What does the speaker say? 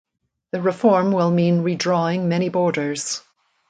The reform will mean redrawing many borders.